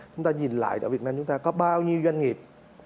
chúng ta nhìn lại ở việt nam chúng ta có bao nhiêu doanh nghiệp